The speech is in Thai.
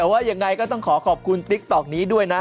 แต่ว่ายังไงก็ต้องขอขอบคุณติ๊กต๊อกนี้ด้วยนะ